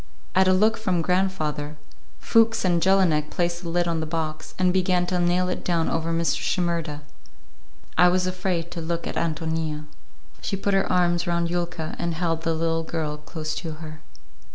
At a look from grandfather, Fuchs and Jelinek placed the lid on the box, and began to nail it down over Mr. Shimerda. I was afraid to look at Ántonia. She put her arms round Yulka and held the little girl close to her.